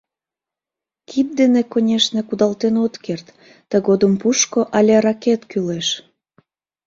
Кид дене, конешне, кудалтен от керт, тыгодым пушко але ракет кӱлеш.